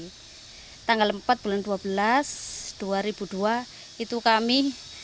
jadi tanggal empat bulan dua belas dua ribu dua itu kami